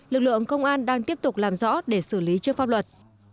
lực lượng công an đang tiếp tục làm rõ để xử lý trước pháp luật